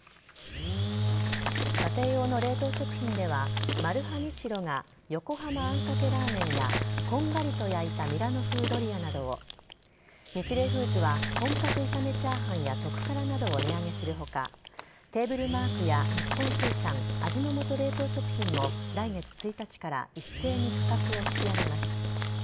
家庭用の冷凍食品ではマルハニチロが横浜あんかけラーメンやこんがりと焼いたミラノ風ドリアなどをニチレイフーズは本格炒め炒飯や特からなどを値上げする他テーブルマークや日本水産味の素冷凍食品も来月１日から一斉に価格を引き上げます。